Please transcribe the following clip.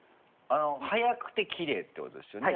早くてきれいってことですよね